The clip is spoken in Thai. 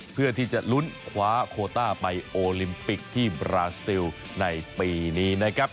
เพื่อที่จะลุ้นคว้าโคต้าไปโอลิมปิกที่บราซิลในปีนี้นะครับ